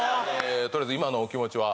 とりあえず今のお気持ちは？